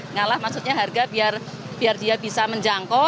ngalah maksudnya harga biar dia bisa menjangkau